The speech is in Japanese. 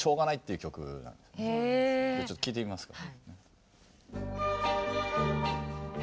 ちょっと聴いてみますか？